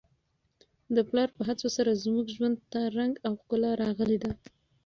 د پلار په هڅو سره زموږ ژوند ته رنګ او ښکلا راغلې ده.